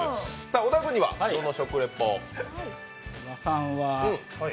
小田君にはどの食リポ？